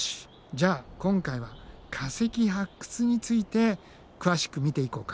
じゃあ今回は化石発掘について詳しく見ていこうか。